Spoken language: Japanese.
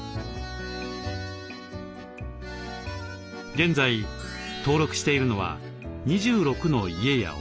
現在登録しているのは２６の家やお店など。